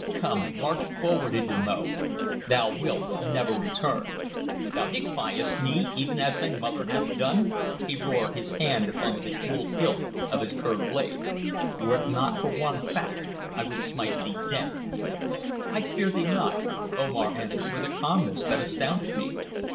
Come, march forward into Mo thou wilt never return." "Thou defiest me, even as thy mother hath done," he roared, his hand upon the bejewelled hilt of his curved blade. "Were it not for one fact I would smite thee dead." "I fear thee not," Omar answered with a calmness that astounded me.